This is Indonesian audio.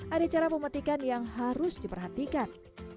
ada cara memetikan yang harus diperhatikan